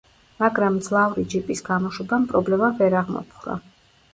მაგრამ მძლავრი ჯიპის გამოშვებამ პრობლემა ვერ აღმოფხვრა.